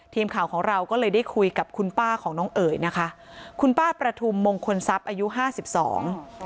ทีมข่าวของเราก็เลยได้คุยกับคุณป้าของน้องเอ๋ยนะคะคุณป้าประทุมมงคลทรัพย์อายุห้าสิบสอง